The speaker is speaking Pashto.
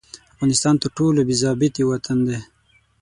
افغانستان تر ټولو بې ضابطې وطن دي.